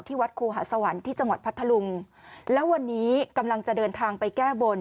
วัดครูหาสวรรค์ที่จังหวัดพัทธลุงแล้ววันนี้กำลังจะเดินทางไปแก้บน